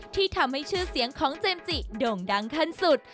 ที่ทำให้ชื่อเสียงของเจมส์จิโด่งดังขั้นสุด